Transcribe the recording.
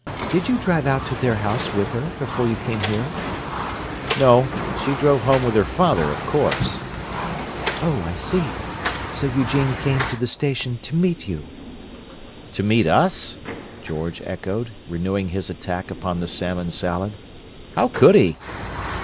Did you drive out to their house with her before you came here?" "No. She drove home with her father, of course." "Oh, I see. So Eugene came to the station to meet you." "To meet us?" George echoed, renewing his attack upon the salmon salad. "How could he?"